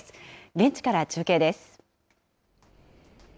現地から中継です。